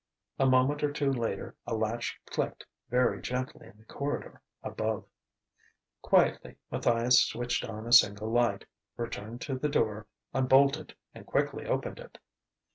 A moment or two later a latch clicked very gently in the corridor above. Quietly Matthias switched on a single light, returned to the door, unbolted and quickly opened it.